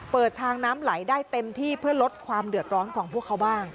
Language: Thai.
เปิดทางน้ำไหลได้เต็มที่เพื่อลดความเดือดร้อนของพวกเขาบ้าง